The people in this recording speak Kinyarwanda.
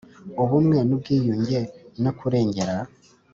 ubumwe n ubwiyunge no kurengera